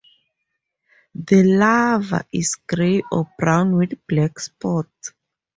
The larva is grey or brown with black spots.